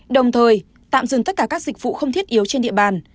đồng thời tạm dừng tất cả các dịch vụ không thiết yếu trên địa bàn